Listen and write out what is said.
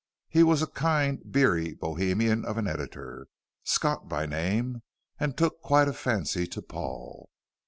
He was a kind, beery Bohemian of an editor, Scott by name, and took quite a fancy to Paul.